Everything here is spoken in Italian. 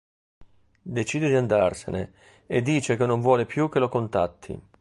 Decide di andarsene e dice che non vuole più che lo contatti.